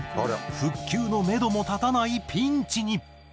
復旧の目処も立たないピンチに。